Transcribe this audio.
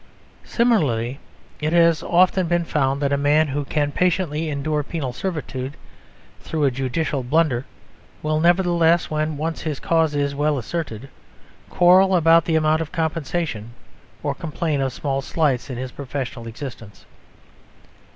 Similarly, it has often been found that a man who can patiently endure penal servitude through a judicial blunder will nevertheless, when once his cause is well asserted, quarrel about the amount of compensation or complain of small slights in his professional existence.